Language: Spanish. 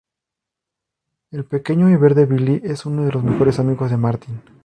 El pequeño y verde Billy es uno de los mejores amigos de Martin.